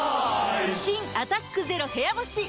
新「アタックＺＥＲＯ部屋干し」解禁‼